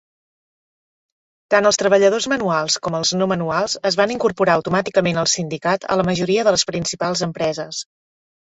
Tant els treballadors manuals com els no manuals es van incorporar automàticament al sindicat a la majoria de les principals empreses.